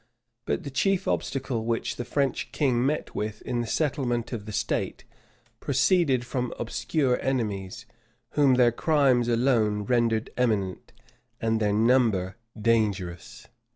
But the chief obstacle which the French king met with in the settlement of the state, proceeded from obscure enemies, whom their crimes alone rendered eminent, and their number dangerous.